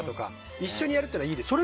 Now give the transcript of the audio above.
一緒にやるっていうのはいいですよね。